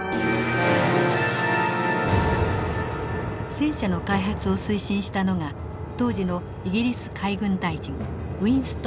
戦車の開発を推進したのが当時のイギリス海軍大臣ウィンストン・チャーチルでした。